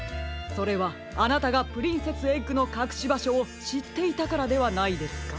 それはあなたがプリンセスエッグのかくしばしょをしっていたからではないですか？